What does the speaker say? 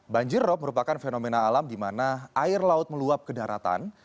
banjir rob merupakan fenomena alam di mana air laut meluap ke daratan